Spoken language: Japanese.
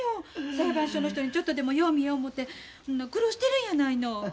裁判所の人にちょっとでもよう見えるよう思て苦労してるんやないの。